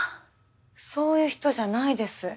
そういう人じゃないです。